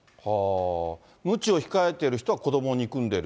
むちを控えてる人は、子どもを憎んでる。